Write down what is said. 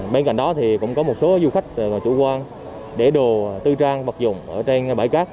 bên cạnh đó thì cũng có một số du khách chủ quan để đồ tư trang vật dụng ở trên bãi cát